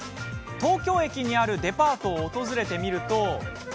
東京駅にあるデパートを訪れてみると。